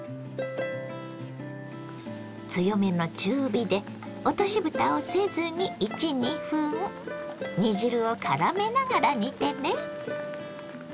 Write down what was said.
強めの中火で落としぶたをせずに１２分煮汁をからめながら煮てね。